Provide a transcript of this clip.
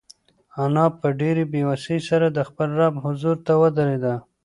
انا په ډېرې بېوسۍ سره د خپل رب حضور ته ودرېده.